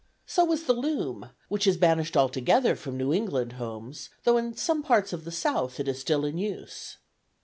So was the loom, which is banished altogether from New England homes, though in some parts of the South it is still in use.